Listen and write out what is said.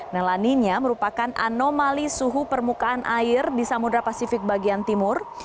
nah laninya merupakan anomali suhu permukaan air di samudera pasifik bagian timur